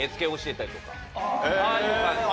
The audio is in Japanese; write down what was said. ああいう感じです。